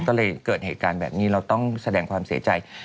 ก็เลยเกิดเหตุการณ์แบบนี้เราต้องแสดงความเสียใจ